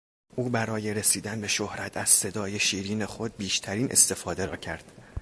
او برای رسیدن به شهرت از صدای شیرین خود بیشترین استفاده را کرد.